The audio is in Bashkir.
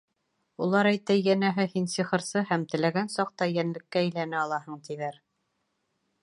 Улар әйтә, йәнәһе, һин сихырсы һәм теләгән саҡта йәнлеккә әйләнә алаһың, тиҙәр.